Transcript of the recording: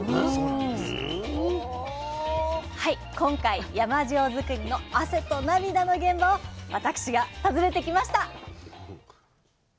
今回山塩づくりの「汗と涙の現場」を私が訪ねてきました！